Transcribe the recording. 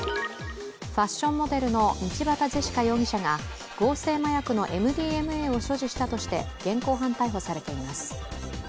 ファッションモデルの道端ジェシカ容疑者が合成麻薬のＭＤＭＡを所持したとして現行犯逮捕されています。